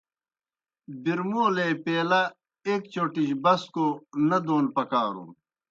برمولے پیلا ایْک چوْٹِجیْ بسکوْ نہ دون پکارُن۔